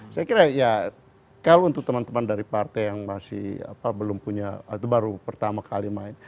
saya kira kalau untuk teman teman dari partai yang baru pertama kali main